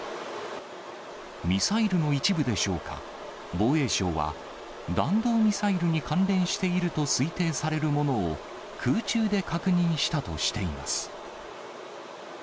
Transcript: ミサイルの一部でしょうか、防衛省は、弾道ミサイルに関連していると推定されるものを、空中で確認したとしています。